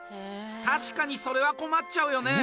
確かに、それは困っちゃうよね。